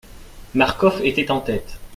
Marcof était en tête.